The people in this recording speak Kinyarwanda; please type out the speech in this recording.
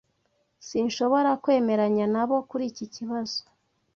Sinshobora kwemeranya nabo kuri iki kibazo.